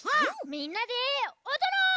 みんなでおどろう！